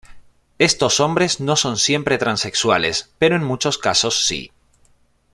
Estos hombres no son siempre transexuales, pero en muchos casos sí.